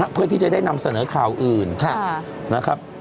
เพื่อที่จะนำเสนอข่าวอื่น